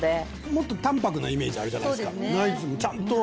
もっと淡泊なイメージあるじゃないですか。